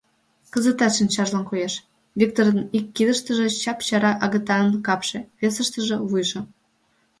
Кызытат шинчажлан коеш: Виктырын ик кидыштыже чап-чара агытанын капше, весыштыже — вуйжо.